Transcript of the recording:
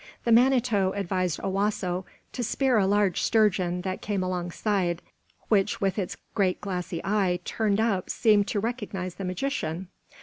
The Manito advised Owasso to spear a large sturgeon that came alongside, which with its great glassy eye turned up seemed to recognize the magician.